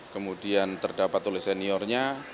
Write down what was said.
kemudian terdapat oleh seniornya